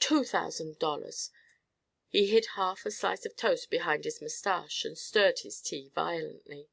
Two thousand dollars!" He hid half a slice of toast behind his mustache and stirred his tea violently.